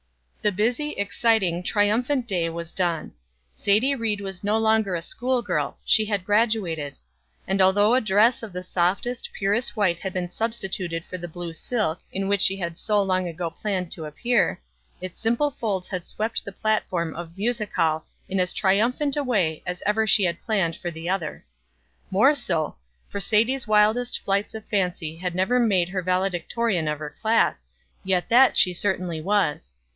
The busy, exciting, triumphant day was done. Sadie Ried was no longer a school girl; she had graduated. And although a dress of the softest, purest white had been substituted for the blue silk, in which she had so long ago planned to appear, its simple folds had swept the platform of Music Hall in as triumphant a way as ever she had planned for the other. More so, for Sadie's wildest flights of fancy had never made her valedictorian of her class, yet that she certainly was.